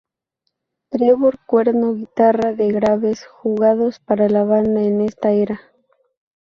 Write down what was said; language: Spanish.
Trevor Cuerno guitarra de graves jugados para la banda en esta era.